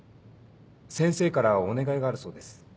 先生からお願いがあるそうです。